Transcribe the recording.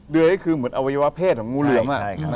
เดือก็คือเหมือนอวัยวะเพศของงูเหลือม